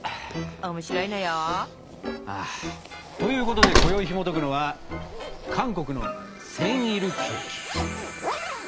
面白いのよ。ということでこよいひもとくのは「韓国のセンイルケーキ」。